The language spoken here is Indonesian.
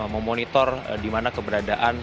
memonitor di mana keberadaan